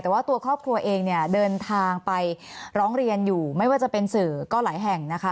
แต่ว่าตัวครอบครัวเองเนี่ยเดินทางไปร้องเรียนอยู่ไม่ว่าจะเป็นสื่อก็หลายแห่งนะคะ